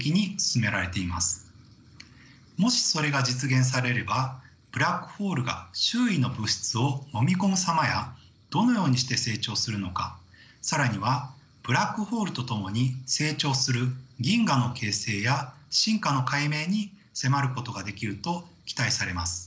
もしそれが実現されればブラックホールが周囲の物質をのみ込む様やどのようにして成長するのか更にはブラックホールと共に成長する銀河の形成や進化の解明に迫ることができると期待されます。